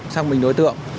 xác minh đối tượng